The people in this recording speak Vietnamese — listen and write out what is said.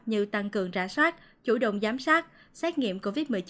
như tăng cường trả soát chủ động giám sát xét nghiệm covid một mươi chín